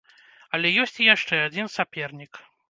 Але ёсць і яшчэ адзін сапернік.